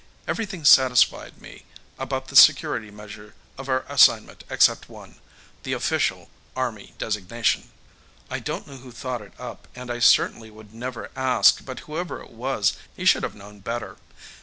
Everything satisfied me about the security measures on our assignment except one the official Army designation. Project Hush. I don't know who thought it up, and I certainly would never ask, but whoever it was, he should have known better.